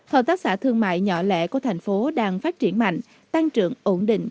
hợp tác xã thương mại nhỏ lẻ của thành phố đang phát triển mạnh tăng trưởng ổn định